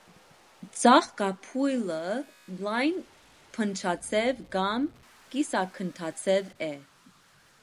Ծաղկաբույլը լայն փնջաձև կամ կիսագնդաձև է։